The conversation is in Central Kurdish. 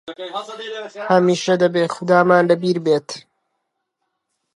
هەمیشە دەبێت خودامان لە بیر بێت!